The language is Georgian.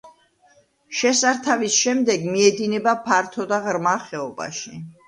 შესართავის შემდეგ მიედინება ფართო და ღრმა ხეობაში.